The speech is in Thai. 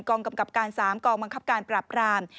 กองกำกับการสามกองบังคับการปรับกราม